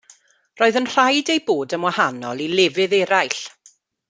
Roedd yn rhaid ei bod yn wahanol i lefydd eraill.